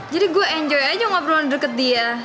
jadi gue enjoy aja ngobrolan deket dia